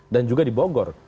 dan juga di bogor